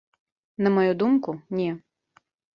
На маю думку, не.